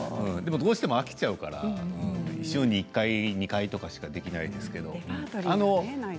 でも、どうしても飽きちゃうから週に１回２回とかしかできないですけど。